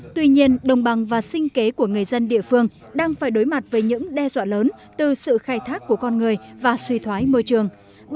tuy nhiên đồng bằng và sinh kế của người dân địa phương đang phải đối mặt với những đe dọa lớn từ sự khai thác của con người và suy thoái môi trường